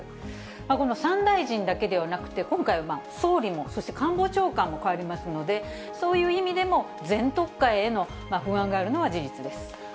この３大臣だけではなくて、今回、総理もそして官房長官も代わりますので、そういう意味でも全とっかえへの不安があるのは事実です。